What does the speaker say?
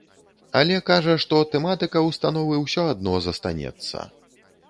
Але кажа, што тэматыка ўстановы ўсё адно застанецца.